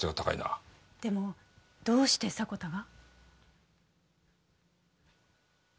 でもどうして迫田が？